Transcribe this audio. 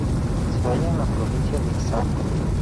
Se halla en la provincia de Salta.